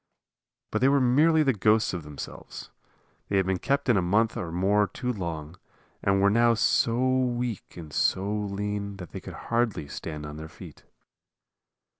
But they were merely the ghosts of themselves. They had been kept in a month or more too long, and were now so weak and so lean that they could hardly stand on their feet.